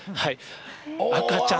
赤ちゃん？